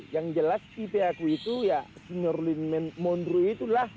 yang jelas tipe aku itu ya senior lineman mondro itulah